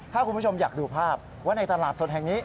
ถ้าคุณผู้ชมอยากดูภาพว่าในตลาดสดแห่งนี้